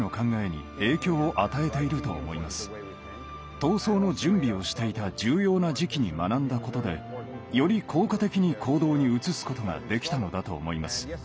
闘争の準備をしていた重要な時期に学んだことでより効果的に行動に移すことができたのだと思います。